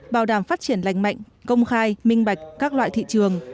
bảo đảm phát triển lành mạnh công khai minh bạch các loại thị trường